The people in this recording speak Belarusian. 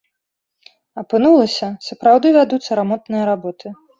Апынулася, сапраўды вядуцца рамонтныя работы.